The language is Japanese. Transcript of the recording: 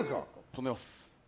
飛んでます。